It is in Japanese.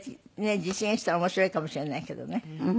実現したら面白いかもしれないけどね。